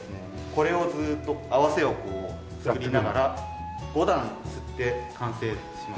これをずっと合わせを作りながら五段摺って完成します。